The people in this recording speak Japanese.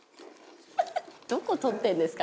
「どこ撮ってんですか？